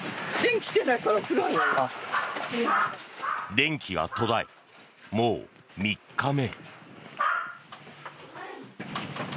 電気が途絶え、もう３日目。